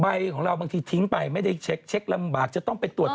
ของเราบางทีทิ้งไปไม่ได้เช็คลำบากจะต้องไปตรวจ